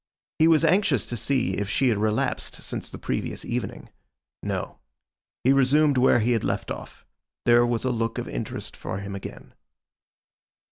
He was anxious to see if she had relapsed since the previous evening. No. He resumed where he had left off. There was a look of interest for him again.